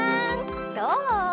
どう？